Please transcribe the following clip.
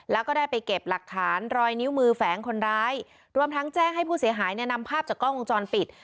แล้วก็ได้ไปเก็บหลักฐานรอยนิ้วมือแฝงคนร้ายรวมทั้งแจ้งให้ผู้เสียหายเนี่ยนำภาพจากกล้องวงจรปิด